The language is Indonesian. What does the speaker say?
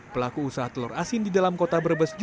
pelaku usaha telur asin di dalam kota brebes